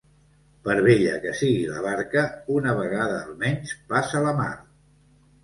Per vella que sigui la barca, una vegada almenys passa la mar.